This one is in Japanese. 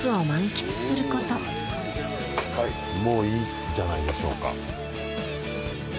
もういいんじゃないでしょうか。